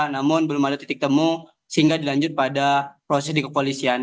namun belum ada titik temu sehingga dilanjut pada proses di kepolisian